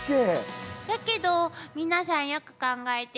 だけど皆さんよく考えて。